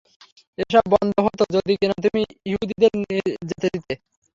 এসব বন্ধ হতো যদি কিনা তুমি ইহুদীদের যেতে দিতে।